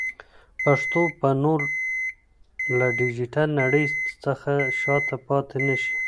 پښتو به نور له ډیجیټل نړۍ څخه شاته پاتې نشي.